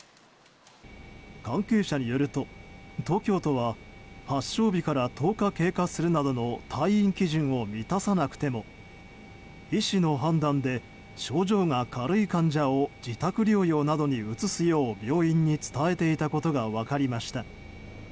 関係者によると東京都は発症日から１０日経過するなどの退院基準を満たさなくても医師の判断で症状が軽い患者を自宅療養などに移すよう病院に伝えていたことが分かりました。